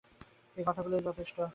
এই কথাগুলোই যথেষ্ট।